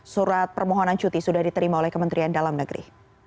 surat permohonan cuti sudah diterima oleh kementerian dalam negeri